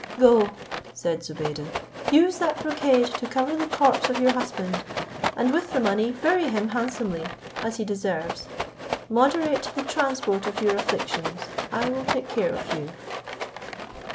"Go," said Zobeide, "use that brocade to cover the corpse of your husband, and with the money bury him handsomely, as he deserves. Moderate the transport of your afflictions: I will take care of you."